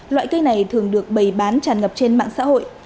loại cây này thường được bày bán tràn ngập trên mạng xã hội